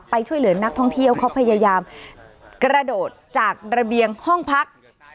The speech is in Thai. ช่วยเหลือนักท่องเที่ยวเขาพยายามกระโดดจากระเบียงห้องพัก